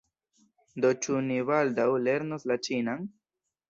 Do ĉu ni baldaŭ lernos la ĉinan?